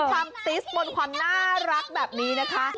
ความติสบนความน่ารักแบบนี้นะคะ